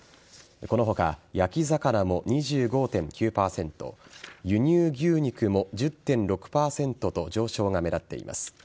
この他、焼き魚も２５．９％輸入牛肉も１０．６％と上昇が目立っています。